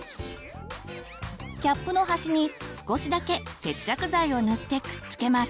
キャップの端に少しだけ接着剤を塗ってくっつけます。